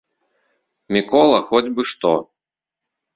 Мікола хоць бы што!